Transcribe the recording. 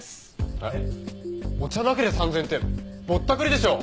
えっお茶だけで３０００円ってぼったくりでしょ！